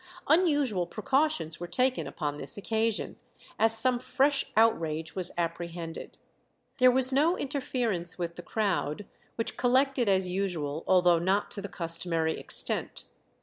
Unusual precautions were taken upon this occasion, as some fresh outrage was apprehended. There was no interference with the crowd, which collected as usual, although not to the customary extent.